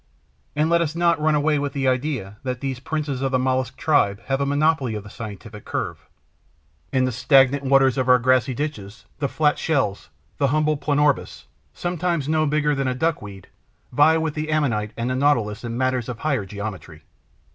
And let us not run away with the idea that these princes of the Mollusc tribe have a monopoly of the scientific curve. In the stagnant waters of our grassy ditches, the flat shells, the humble Planorbes, sometimes no bigger than a duckweed, vie with the Ammonite and the Nautilus in matters of higher geometry.